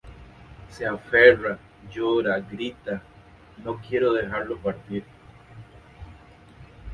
Se aferra, llora, grita, no quiere dejarlo partir.